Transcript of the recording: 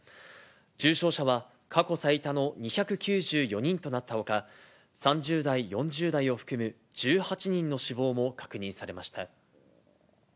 重症者は過去最多の２９４人となったほか、３０代、４０代を含む１８人の死亡も確認されました。